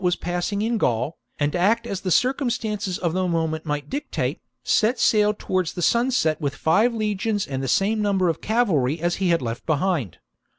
was passing in Gaul, and act as the circumstances of the moment might dictate, set sail towards sunset with five legions and the same number of cavalry as he had left behind.